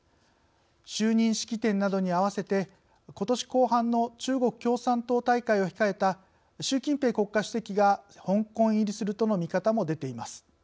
就任式典などに合わせてことし後半の中国共産党大会を控えた習近平国家主席が香港入りするとの見方も出ています。